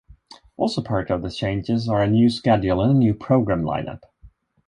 Also part of the changes are a new schedule and new program line-up.